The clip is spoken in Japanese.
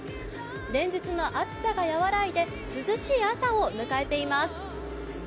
連日の暑さが和らいで涼しい朝を迎えています。